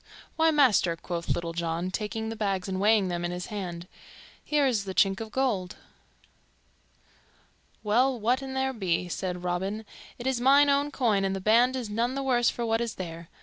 "Why, master," quoth Little John, taking the bags and weighing them in his hand, "here is the chink of gold." "Well, what an there be," said Robin, "it is mine own coin and the band is none the worse for what is there.